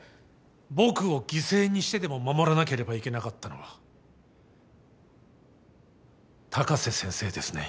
僕を犠牲にしてでも守らなければいけなかったのは高瀬先生ですね？